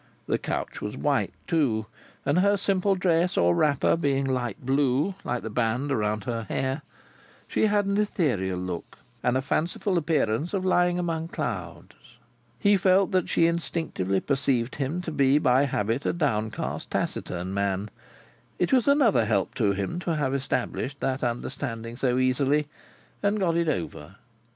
The couch was white too; and her simple dress or wrapper being light blue, like the band around her hair, she had an ethereal look, and a fanciful appearance of lying among clouds. He felt that she instinctively perceived him to be by habit a downcast taciturn man; it was another help to him to have established that understanding so easily, and got it over.